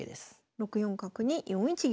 ６四角に４一玉。